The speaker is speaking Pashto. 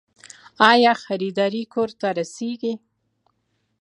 آیا خریداري کور ته رسیږي؟